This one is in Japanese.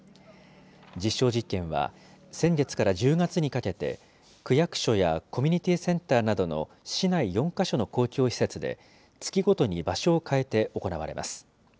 実証実験は、先月から１０月にかけて、区役所やコミュニティセンターなどの市内４か所の公共施設で月ごとに場所を変えて行われます。